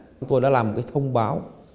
chúng tôi đã làm một cái thông báo